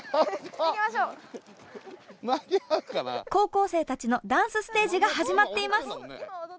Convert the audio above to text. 高校生たちのダンスステージが始まっています。